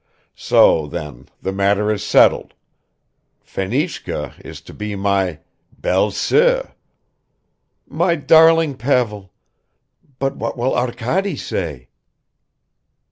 So, then, the matter is settled; Fenichka is to be my ... belle soeur." "My darling Pavel! But what will Arkady say?"